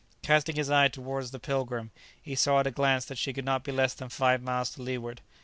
Casting his eye towards the "Pilgrim," he saw at a glance that she could not be less than five miles to leeward.